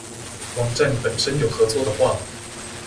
網站本身有合作的話